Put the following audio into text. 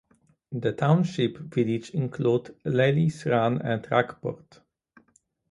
The township's villages include Leslie Run and Rockport.